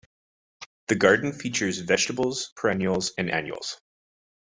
The garden features vegetables, perennials and annuals.